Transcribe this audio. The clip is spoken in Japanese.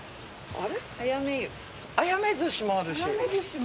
あやめ寿しもある。